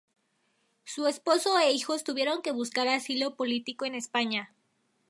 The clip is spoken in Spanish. Su esposo e hijos tuvieron que buscar asilo político en España.